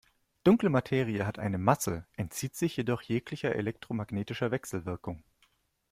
Dunkle Materie hat eine Masse, entzieht sich jedoch jeglicher elektromagnetischer Wechselwirkung.